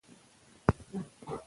پېزه دي پاکه کړه.